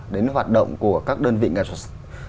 đến hoạt động của các đơn vị nghệ thuật